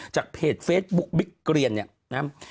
จากเพจเฟซบุ๊กบิ๊กเกรียนเนี่ยนะครับ